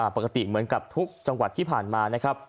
ปกติเหมือนกับทุกจังหวัดที่ผ่านมานะครับ